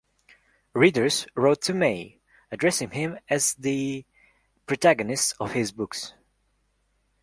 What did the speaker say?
Readers wrote to May, addressing him as the protagonists of his books.